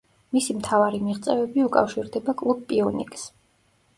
მისი მთავარი მიღწევები უკავშირდება კლუბ პიუნიკს.